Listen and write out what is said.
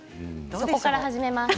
そこから始めます。